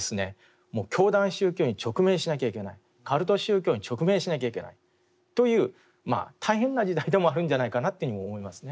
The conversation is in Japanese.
もう教団宗教に直面しなきゃいけないカルト宗教に直面しなきゃいけないというまあ大変な時代でもあるんじゃないかなというふうにも思いますね。